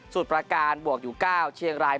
ประการบวกอยู่๙เชียงราย